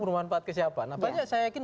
itu bermanfaat ke siapa banyak saya yakin